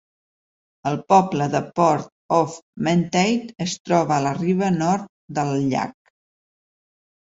El poble de Port of Menteith es troba a la riba nord del llac.